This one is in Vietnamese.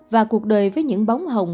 và cuộc đời với những bóng hồng